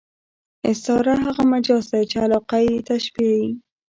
استعاره هغه مجاز دئ، چي علاقه ئې تشبېه يي.